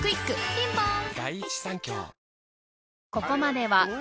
ピンポーン